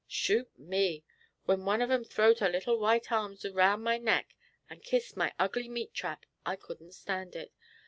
Shoot me! when one of 'em throwed her little white arms round my neck and kissed my ugly meat trap, I couldn't stand it.